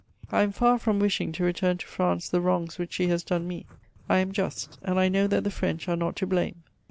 I am far from wishing to return to France the wrongs which she has done me. I am just, and I know that the French: are not to blame.